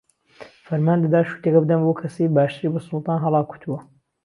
فەرمان دەدا شووتییەکە بدەن بەو کەسەی باشتری بە سوڵتان هەڵاکوتووە